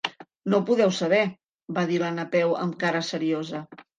No ho podeu saber —va dir la Napeu amb cara seriosa—.